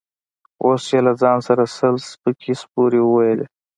اوس يې له ځان سره سل سپکې سپورې وويلې.